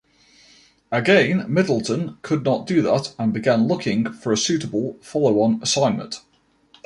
Again, Middleton could not do that, and began looking for a suitable follow-on assignment.